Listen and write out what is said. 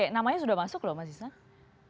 namanya sudah masuk lho mas isanuddin